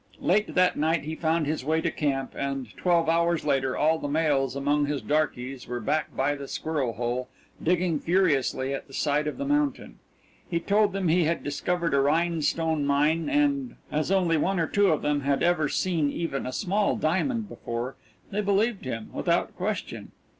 Late that night he found his way to camp and twelve hours later all the males among his darkies were back by the squirrel hole digging furiously at the side of the mountain. He told them he had discovered a rhinestone mine, and, as only one or two of them had ever seen even a small diamond before, they believed him, without question.